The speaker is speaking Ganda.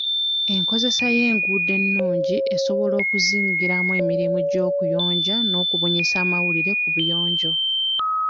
Enkozesa y'enduudo ennungi esobola okuzingiramu emirimu gy'okuyonja n'okubunyisa amawulire ku buyonjo.